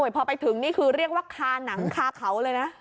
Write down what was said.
พอไปถึงนี่คือเรียกว่าคาหนังคาเขาเลยนะ